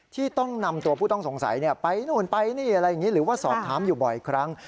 ที่ต้องนำตัวผู้ต้องสงสัยไปนู่นไปนี่อะไรอย่างนี้หรือว่าสอบถามอยู่บ่อยครั้ง